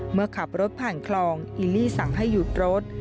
เมื่อขับรถผ่านคลองอิลลี่สั่งให้หยุดรถ